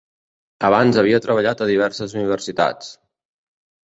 Abans havia treballat a diverses universitats: